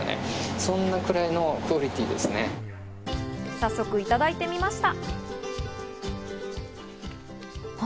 早速いただいてみました。